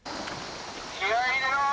「気合い入れろ！